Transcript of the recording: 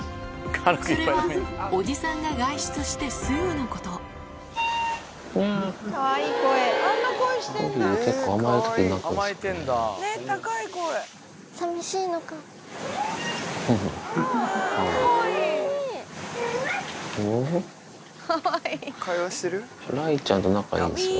それはおじさんが外出してすぐのこと会話してる？